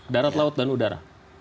darat laut dan udara